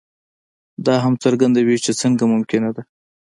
دا هم څرګندوي چې څنګه ممکنه ده.